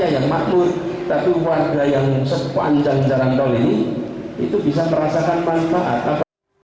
yang makmur tapi warga yang sepanjang jalan tol ini itu bisa merasakan manfaat